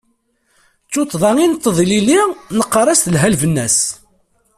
D tuṭṭḍa i nteṭṭeḍ ilili, neqqar-as telha lbenna-s.